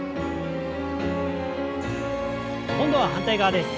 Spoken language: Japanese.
今度は反対側です。